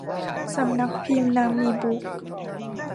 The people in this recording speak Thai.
สำนักพิมพ์นานมีบุ๊คส์